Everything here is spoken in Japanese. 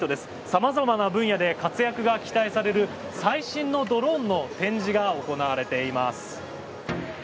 様々な分野で活躍が期待される最新のドローンの展示が行われています。